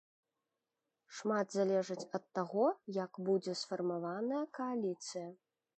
Шмат залежыць ад таго, як будзе сфармаваная кааліцыя.